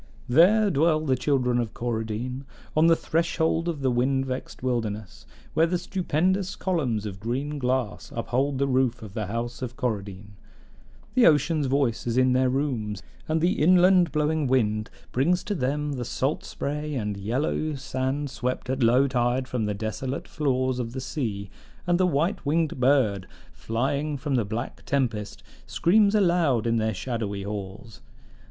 There dwell the children of Coradine, on the threshold of the wind vexed wilderness, where the stupendous columns of green glass uphold the roof of the House of Coradine; the ocean's voice is in their rooms, and the inland blowing wind brings to them the salt spray and yellow sand swept at low tide from the desolate floors of the sea, and the white winged bird flying from the black tempest screams aloud in their shadowy halls.